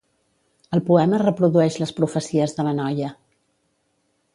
El poema reprodueix les profecies de la noia.